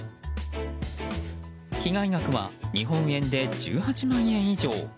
被害額は日本円で１８万円以上。